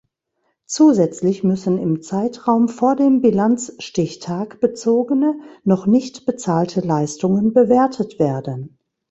Zusätzlich müssen im Zeitraum vor dem Bilanzstichtag bezogene, noch nicht bezahlte Leistungen bewertet werden.